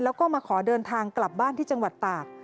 แล้วก็มาขอเดินทางกลับบ้านที่จังหวัดตาก